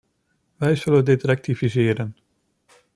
Wij zullen dit rectificeren.